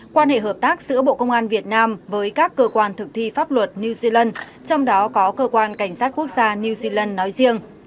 quan hệ hợp tác giữa bộ công an việt nam với các cơ quan thực thi pháp luật new zealand trong đó có cơ quan cảnh sát quốc gia new zealand nói riêng